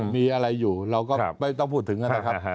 มีอะไรอยู่เราก็ไม่ต้องพูดถึงนะครับ